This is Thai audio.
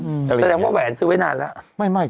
แสดงว่าแหวนซื้อไว้นานแล้ว